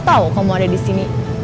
aku atau kamu ada di sini